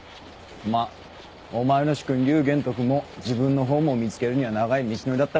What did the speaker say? まっお前の主君劉玄徳も自分のホームを見つけるには長い道のりだったからな。